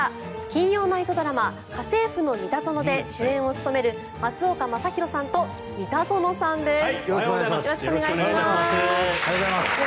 金曜ナイトドラマ「家政夫のミタゾノ」で主演を務める松岡昌宏さんと三田園さんです。